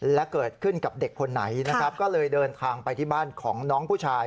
และเกิดขึ้นกับเด็กคนไหนนะครับก็เลยเดินทางไปที่บ้านของน้องผู้ชาย